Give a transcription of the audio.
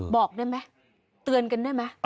บอกได้ไหมเตือนกันได้ไหม